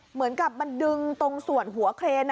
เหมือนกับมันดึงตรงส่วนหัวเครน